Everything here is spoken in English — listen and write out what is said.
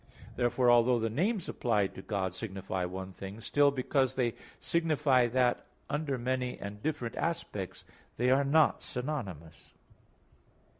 Therefore although the names applied to God signify one thing, still because they signify that under many and different aspects, they are not synonymous.